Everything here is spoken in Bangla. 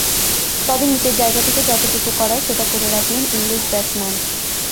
তবে নিজের জায়গা থেকে যতটুকু করার সেটা করে রাখলেন ইংলিশ ব্যাটসম্যান।